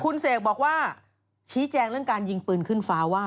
คุณเสกบอกว่าชี้แจงเรื่องการยิงปืนขึ้นฟ้าว่า